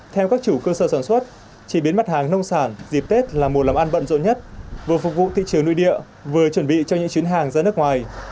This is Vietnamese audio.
theo các chủ cơ sở sản xuất chế biến mặt hàng nông sản dịp tết là mùa làm ăn bận rộn nhất vừa phục vụ thị trường nội địa vừa chuẩn bị cho những chuyến hàng ra nước ngoài